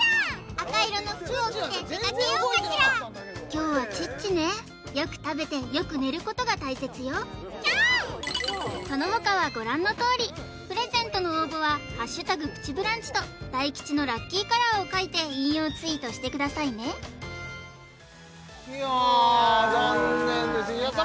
あか色の服を着て出かけようかしら今日はチッチねよく食べてよく寝ることが大切よその他はご覧のとおりプレゼントの応募は「＃プチブランチ」と大吉のラッキーカラーを書いて引用ツイートしてくださいねいや残念ですああやさ